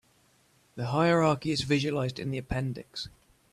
The hierarchy is visualized in the appendix.